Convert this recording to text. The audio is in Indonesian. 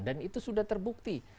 dan itu sudah terbukti